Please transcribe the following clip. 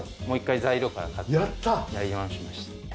もう一回材料から買って。